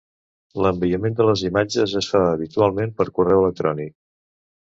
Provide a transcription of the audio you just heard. L'enviament de les imatges es fa habitualment per correu electrònic.